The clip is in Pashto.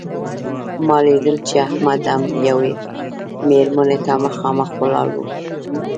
ما لیدل چې احمد هم یوې مېرمنې ته مخامخ ولاړ و.